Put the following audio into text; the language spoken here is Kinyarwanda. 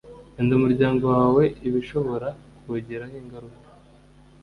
rinda umuryango wawe ibishobora kuwugiraho ingaruka.